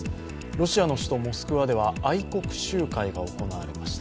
ロシアの首都モスクワでは愛国集会が行われました。